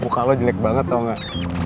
muka lo jelek banget tau gak